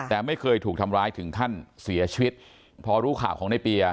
แต่ไม่เคยถูกทำร้ายถึงขั้นเสียชีวิตพอรู้ข่าวของในเปียร์